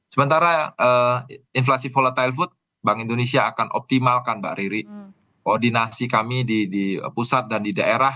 sementara inflasi volatile food bank indonesia akan optimalkan mbak riri koordinasi kami di pusat dan di daerah